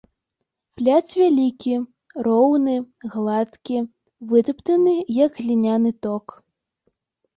Пляц вялікі, роўны, гладкі, вытаптаны, як гліняны ток.